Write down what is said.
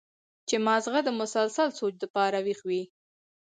چې مازغه د مسلسل سوچ د پاره وېخ وي